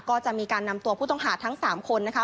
ก็จะมีการนำตัวผู้ต้องหาทั้ง๓คนนะคะ